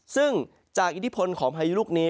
ซึ่งจากอิทธิพลของพายุลูกนี้